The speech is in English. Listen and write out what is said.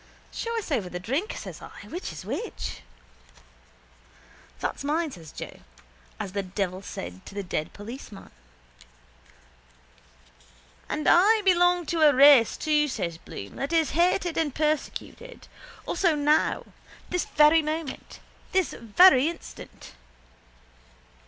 —Show us over the drink, says I. Which is which? —That's mine, says Joe, as the devil said to the dead policeman. —And I belong to a race too, says Bloom, that is hated and persecuted. Also now. This very moment. This very instant.